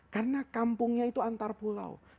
karena kampungnya itu antar pulau